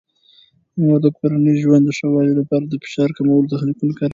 مور د کورني ژوند د ښه والي لپاره د فشار کمولو تخنیکونه کاروي.